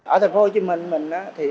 ở thành phố hồ chí minh